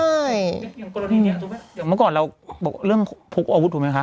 ก็เกิดเมื่อก่อนเราเรื่องพกอาวุธถูกไหมคะ